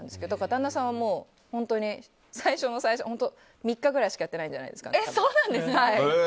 旦那さんは最初の最初、３日くらいしかやってないんじゃないですか。